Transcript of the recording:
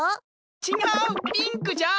ちがうピンクじゃ！